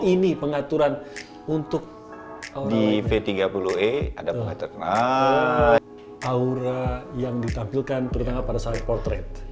ini pengaturan untuk di v tiga puluh e ada pengaturan aura yang ditampilkan terutama pada saat portret